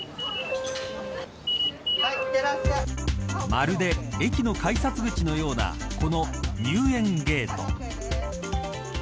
まるで駅の改札口のようなこの入園ゲート。